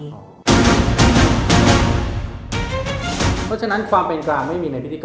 เพราะฉะนั้นความเป็นกลางไม่มีในพิธีกร